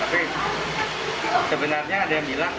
tapi sebenarnya ada yang bilang